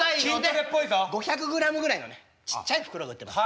５００グラムぐらいのねちっちゃい袋で売ってます。